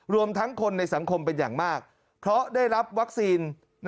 รวมทั้งคนในสังคมเป็นอย่างมากเพราะได้รับวัคซีน